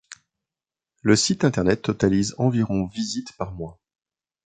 Le site internet totalise environ visites par mois.